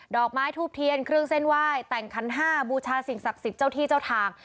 อกไม้ทูบเทียนเครื่องเส้นไหว้แต่งขันห้าบูชาสิ่งศักดิ์สิทธิ์เจ้าที่เจ้าทาง